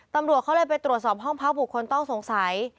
ตำรวจเขาเลยไปตรวจสอบห้องพักบุคคลต้องสงสัย